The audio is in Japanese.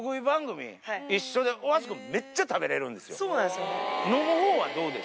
そうなんですよね。